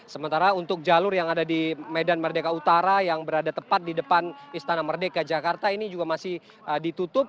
sementara untuk jalur yang ada di medan merdeka utara yang berada tepat di depan istana merdeka jakarta ini juga masih ditutup